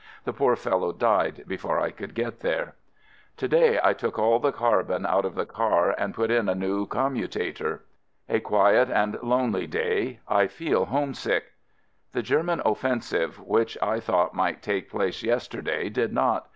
The poor fellow died before I could get there. i To day, I took all the carbon out of the car and put in a new commutator. A quiet and lonely day. I feel homesick. The German offensive which I thought 120 AMERICAN AMBULANCE might take place yesterday did not.